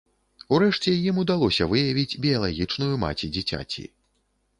У рэшце ім удалося выявіць біялагічную маці дзіцяці.